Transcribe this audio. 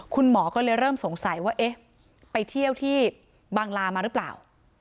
คุณหมอก็เลยเริ่มสงสัยว่าเอ๊ะไปเที่ยวที่บางลามาหรือเปล่า